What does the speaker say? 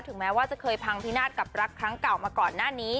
แม้ว่าจะเคยพังพินาศกับรักครั้งเก่ามาก่อนหน้านี้